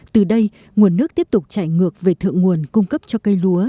từ đây nguồn nước tiếp tục chạy ngược về thượng nguồn cung cấp cho cây lúa